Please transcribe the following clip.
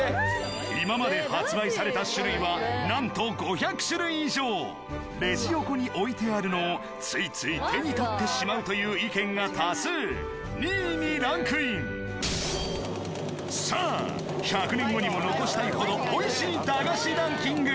・今まで発売されたレジ横に置いてあるのをついつい手に取ってしまうという意見が多数２位にランクインさぁ１００年後にも残したいほどおいしい駄菓子ランキング！